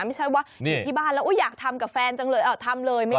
ไม่ใช่ว่าอยู่ที่บ้านแล้วอยากทำกับแฟนจังเลยทำเลย